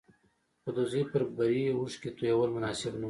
خو د زوی پر بري اوښکې تويول مناسب نه وو.